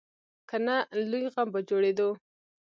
که نه، لوی غم به جوړېدو.